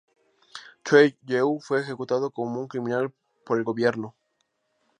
Choe Jeu fue ejecutado como un criminal por el gobierno.